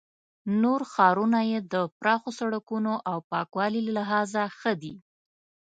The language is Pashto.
نور ښارونه یې د پراخو سړکونو او پاکوالي له لحاظه ښه دي.